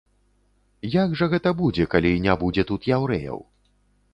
Як жа гэта будзе, калі не будзе тут яўрэяў?